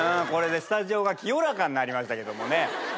これでスタジオが清らかになりましたけどもね。